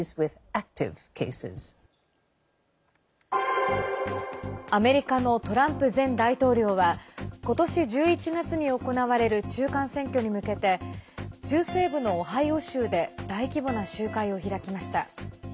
アメリカのトランプ前大統領はことし１１月に行われる中間選挙に向けて中西部のオハイオ州で大規模な集会を開きました。